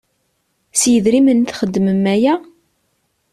S yedrimen i txeddmem aya?